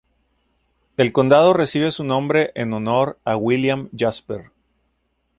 El condado recibe su nombre en honor a William Jasper.